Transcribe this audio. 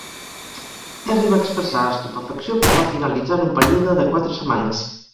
Terry va expressar estupefacció quan va finalitzar en un període de quatre setmanes.